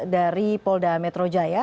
dari polda metro jaya